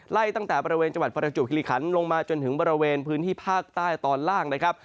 ตั้งแต่บริเวณจังหวัดประจวบคิริคันลงมาจนถึงบริเวณพื้นที่ภาคใต้ตอนล่างนะครับ